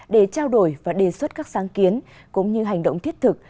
để trao đổi và đề xuất các sáng kiến cũng như hành động thiết thực